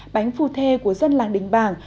bánh phu thê của dân làng đình bàng